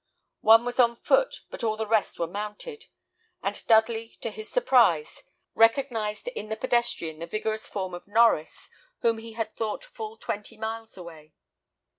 One was on foot, but all the rest were mounted; and Dudley, to his surprise, recognised in the pedestrian the vigorous form of Norries, whom he had thought full twenty miles away.